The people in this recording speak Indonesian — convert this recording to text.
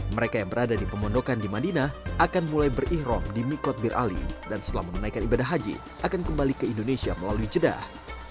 mereka yang berada di pemondokan di madinah akan mulai berikhrom di mikot bir ali dan setelah menunaikan ibadah haji akan kembali ke indonesia melalui jeddah